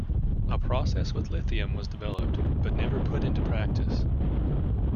A process with lithium was developed, but never put into practice.